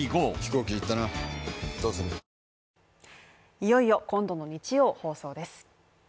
いよいよ今度の日曜放送です。